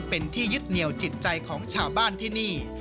เป็นที่ยึดเหนียวจิตใจของชาวบ้านที่นี่